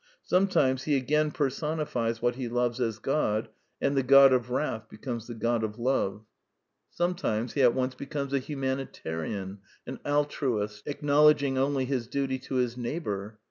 Sometimes he again personifies what he loves as God; and the God of Wrath becomes the God of Love: The Two Pioneers 19 sometimes he at once becomes a humanitarian, an altruist, acknowledging only his duty to his neigh bor.